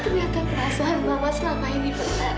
ternyata perasaan mama selama ini benar